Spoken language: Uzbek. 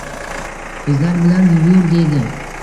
Bizlar bilan yur», deydi